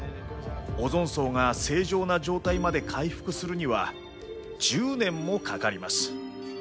オゾン層が正常な状態まで回復するには１０年もかかります。